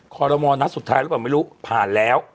คอรมอลนัดสุดท้ายหรือเปล่าไม่รู้ผ่านแล้ว